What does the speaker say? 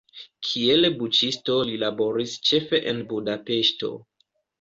Kiel buĉisto li laboris ĉefe en Budapeŝto.